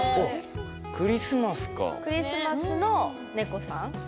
クリスマスの猫さん？